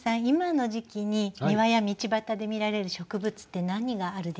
今の時期に庭や道端で見られる植物って何があるでしょうか？